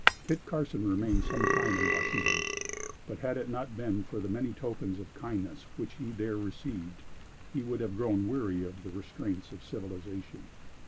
Kit Carson remained some time in Washington; but had it not been for the many tokens of kindness which he there received, he would have grown weary of the restraints of civilization.